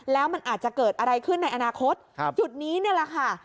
แล้วมันอาจจะเกิดอะไรขึ้นในอนาคตจุดนี้นี่แหละค่ะ